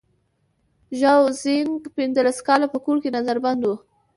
ژاو زیانګ پنځلس کاله په کور کې نظر بند و.